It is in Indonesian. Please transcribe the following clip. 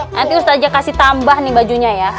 nanti ustaja kasih tambah nih bajunya ya